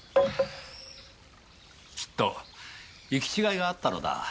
きっと行き違いがあったのだ。